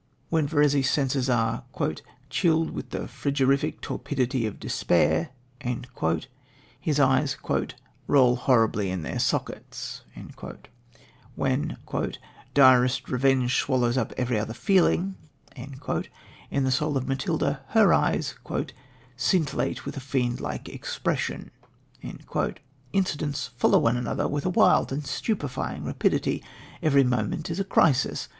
When Verezzi's senses are "chilled with the frigorific torpidity of despair," his eyes "roll horribly in their sockets." When "direst revenge swallows up every other feeling" in the soul of Matilda, her eyes "scintillate with a fiend like expression." Incidents follow one another with a wild and stupefying rapidity. Every moment is a crisis.